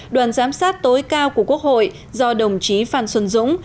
đoàn giám sát tối cao của quốc hội do đồng chí phan xuân dũng